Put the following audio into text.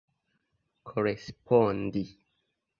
korespondi